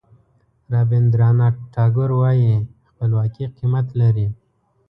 رابندراناټ ټاګور وایي خپلواکي قیمت لري.